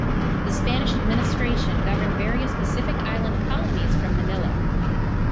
The Spanish Administration governed various Pacific island colonies from Manila.